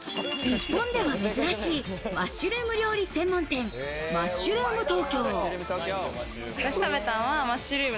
日本では珍しいマッシュルーム料理専門店マッシュルームトーキョー。